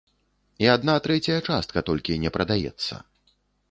І адна трэцяя частка толькі не прадаецца.